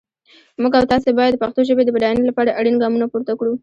موږ او تاسي باید د پښتو ژپې د بډاینې لپاره اړین ګامونه پورته کړو.